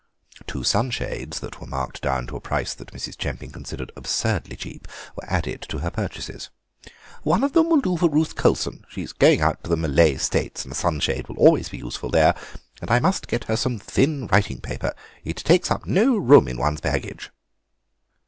Two sunshades that were marked down to a price that Mrs. Chemping considered absurdly cheap were added to her purchases. "One of them will do for Ruth Colson; she is going out to the Malay States, and a sunshade will always be useful there. And I must get her some thin writing paper. It takes up no room in one's baggage."